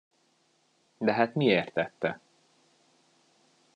De hát miért tette?